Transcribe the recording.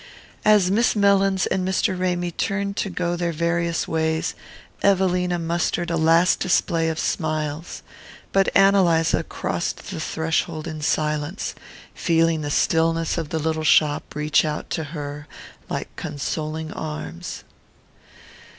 As Miss Mellins and Mr. Ramy turned to go their various ways Evelina mustered a last display of smiles; but Ann Eliza crossed the threshold in silence, feeling the stillness of the little shop reach out to her like consoling arms.